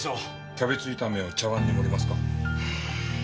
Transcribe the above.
キャベツ炒めを茶碗に盛りますか？